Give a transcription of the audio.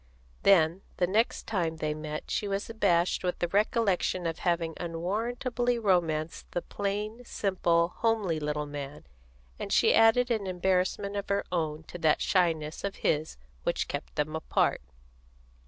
Then, the next time they met she was abashed with the recollection of having unwarrantably romanced the plain, simple, homely little man, and she added an embarrassment of her own to that shyness of his which kept them apart.